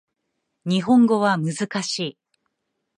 日本語は難しい